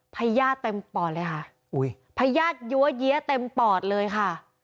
พัยยาดเต็มปอดเลยค่ะอุ๋ยพัยยาดยั่วเยี๊ยะเต็มปอดเลยค่ะ